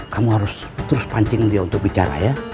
kamu harus terus pancing dia untuk bicara ya